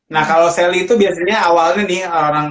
nah kalau sally itu biasanya awalnya nih